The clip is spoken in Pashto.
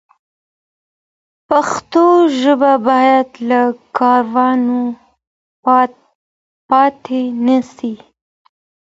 پښتو ژبه باید له کاروانه پاتې نه سي.